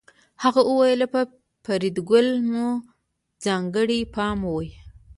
هغه وویل په فریدګل مو ځانګړی پام وي